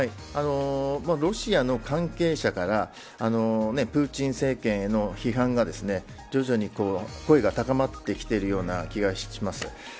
ロシアの関係者からプーチン政権への批判が、徐々に声が高まってきているような気がします。